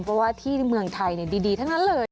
เพราะว่าที่เมืองไทยดีทั้งนั้นเลย